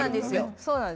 そうなんです。